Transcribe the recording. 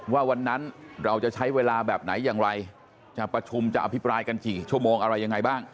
ว่าวันนั้นเราจะใช้เวลาแบบไหนอย่างไรจะประชุมจะอภิปรายกันกี่ชั่วโมงอะไรยังไงบ้าง